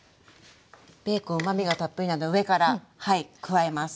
ベーコンはうまみがたっぷりなので上から加えます。